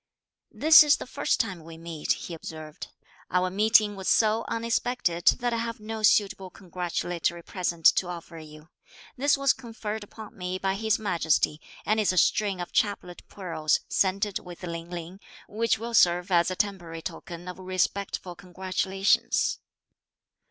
"This is the first time we meet," he observed. "Our meeting was so unexpected that I have no suitable congratulatory present to offer you. This was conferred upon me by His Majesty, and is a string of chaplet pearls, scented with Ling Ling, which will serve as a temporary token of respectful congratulations."